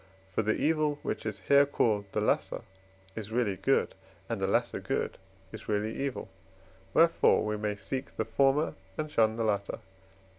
For the evil, which is here called the lesser, is really good, and the lesser good is really evil, wherefore we may seek the former and shun the latter.